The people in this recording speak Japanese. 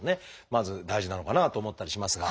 まず大事なのかなと思ったりしますが。